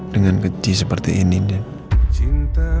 dengan keji seperti ini nen